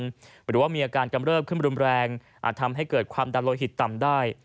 หรือว่ามีอาการกำเริบขึ้นรุนแรงอาจทำให้เกิดความดันโลหิตต่ำได้